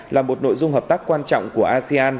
là một nội dung hợp tác quan trọng của asean